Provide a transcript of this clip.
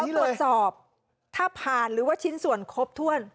ตรวจสอบถ้าผ่านหรือว่าชิ้นส่วนครบถ้วน